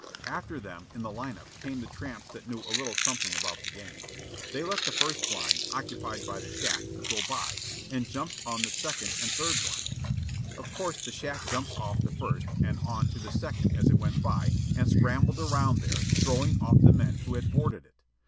After them, in the line up, came the tramps that knew a little something about the game. They let the first blind, occupied by the shack, go by, and jumped on the second and third blinds. Of course, the shack jumped off the first and on to the second as it went by, and scrambled around there, throwing off the men who had boarded it.